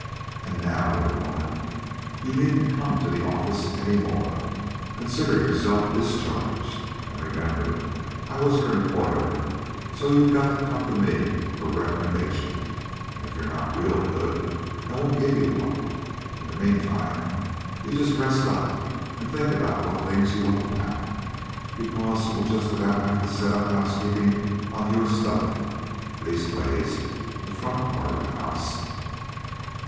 "And now, little woman, you needn't come to the office any more. Consider yourself discharged. And remember I was your employer, so you've got to come to me for recommendation, and if you're not real good, I won't give you one. In the meantime, you just rest up and think about what things you want to pack, because we'll just about have to set up housekeeping on your stuff leastways, the front part of the house."